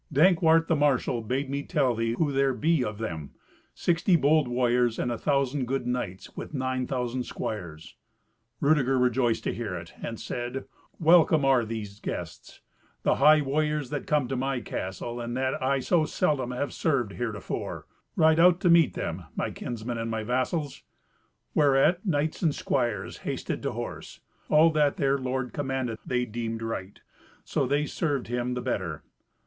"Dankwart, the marshal, bade me tell thee who there be of them: sixty bold warriors and a thousand good knights, with nine thousand squires." Rudeger rejoiced to hear it, and said, "Welcome are these guests—the high warriors that come to my castle, and that I so seldom have served heretofore. Ride out to meet them, my kinsmen and my vassals." Whereat knights and squires hasted to horse. All that their lord commanded they deemed right; so they served him the better.